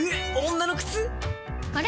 女の靴⁉あれ？